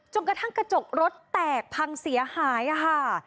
กระทั่งกระจกรถแตกพังเสียหายค่ะ